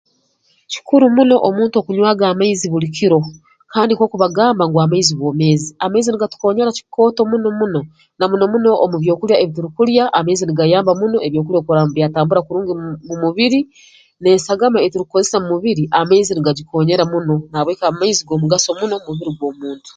Kikuru muno omuntu okunywaga amaizi buli kiro kandi nkooku bagamba ngu amaizi bwomeezi amaizi nigatukonyera kikooto muno muno na muno muno omu byokulya ebi turukulya amaizi nigayamba muno ebyokulya kurora byatambura kurungi mu mubiri n'esagama ei turukukozesa mu mubiri amaizi nigagikonyera muno na habw'eki amaizi g'omugaso muno omu mubiri gw'omuntu